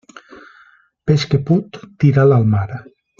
Peix que put, tira'l al mar.